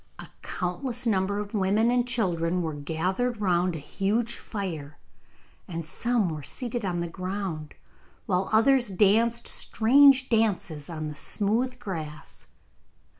A countless number of women and children were gathered round a huge fire, and some were seated on the ground, while others danced strange dances on the smooth grass.